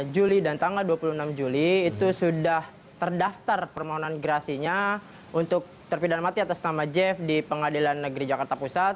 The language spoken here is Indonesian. juli dan tanggal dua puluh enam juli itu sudah terdaftar permohonan gerasinya untuk terpidana mati atas nama jeff di pengadilan negeri jakarta pusat